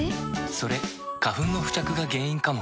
それ花粉の付着が原因かも。